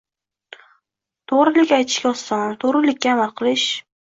To'g'rilik aytishga oson, to'g'rilikka amal qilish